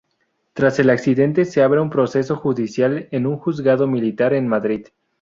Tras el accidente, se abre un proceso judicial en un Juzgado Militar en Madrid.